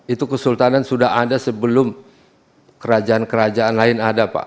itu kesultanan sudah ada sebelum kerajaan kerajaan lain ada pak